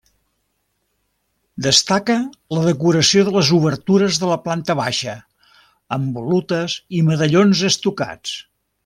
Destaca la decoració de les obertures de la planta baixa, amb volutes i medallons estucats.